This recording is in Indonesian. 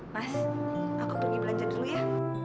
mas aku pergi belanja dulu ya